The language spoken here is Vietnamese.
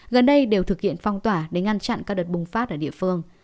gần đây đều thực hiện phong tỏa để ngăn chặn các đợt bùng phát ở địa phương